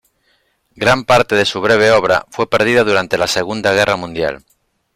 Gran parte de su breve obra fue perdida durante la Segunda Guerra Mundial.